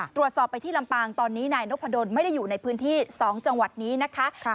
ตรวจสอบไปที่ลำปางตอนนี้นายนพดลไม่ได้อยู่ในพื้นที่๒จังหวัดนี้นะคะ